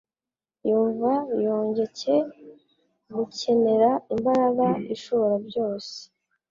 Yumva yongcye gukenera imbaraga Ishobora byose,